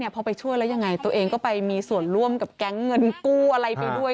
พอไปช่วยแล้วยังไงตัวเองก็ไปมีส่วนร่วมกับแก๊งเงินกู้อะไรไปด้วย